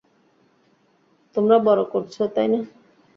তোমরা বড় করছো, তাই না?